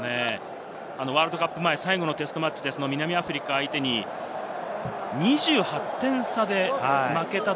ワールドカップ前、最後のテストマッチで南アフリカを相手に２８点差で負けた。